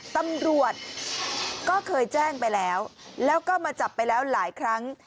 ตำรวจก็เคยแจ้งไปแล้วแล้วก็มาจับไปแล้วหลายครั้ง